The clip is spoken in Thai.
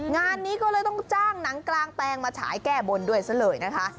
งานนี้ก็เลยต้องจ้างหนังกลางแปลงมาฉายแก้บนด้วยซะเลยนะคะ